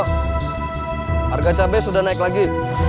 harga cabai sudah naik lagi